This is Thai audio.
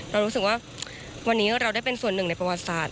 เรารู้สึกว่าวันนี้เราได้เป็นส่วนหนึ่งในประวัติศาสต